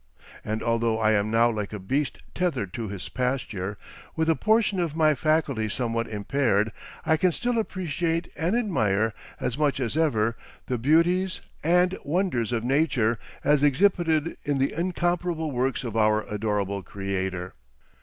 And although I am now like a beast tethered to his pasture, with a portion of my faculties somewhat impaired, I can still appreciate and admire as much as ever the beauties and wonders of nature as exhibited in the incomparable works of our adorable Creator."